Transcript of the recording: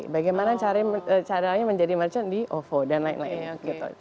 bagaimana caranya menjadi merchant di ovo dan lain lain gitu